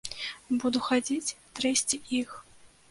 Буду хадзіць, трэсці іх.